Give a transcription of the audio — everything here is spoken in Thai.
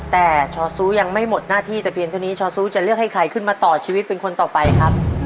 แต่ชอซูยังไม่หมดหน้าที่แต่เพียงเท่านี้ชอซูจะเลือกให้ใครขึ้นมาต่อชีวิตเป็นคนต่อไปครับ